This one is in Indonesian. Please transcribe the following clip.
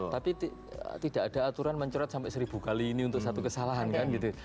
tapi tidak ada aturan mencoret sampai seribu kali ini untuk satu kesalahan kan gitu